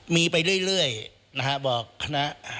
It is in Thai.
มีไปเรื่อยนะฮะบอกคณะ